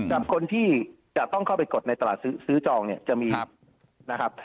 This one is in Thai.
กับคนที่จะต้องเข้าไปกดในตลาดซื้อจองเนี่ยจะมีนะครับ